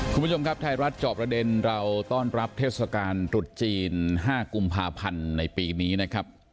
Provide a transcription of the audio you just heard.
คุณผู้ชมครับไทยรัฐจอบประเด็นเราต้อนรับเทศกาลตรุษจีน๕กุมภาพันธ์ในปีนี้นะครับ